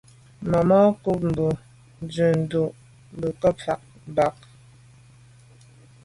Màmá cúp mbə̄ bù jún ndʉ̌ʼ jí mû’ndʉ̀ à’ cák fá bə̀k.